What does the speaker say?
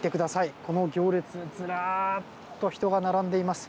この行列ズラッと人が並んでいます。